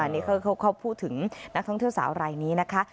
นี่เขาพูดถึงนักท่องเที่ยวสาวรายนี้นะคะ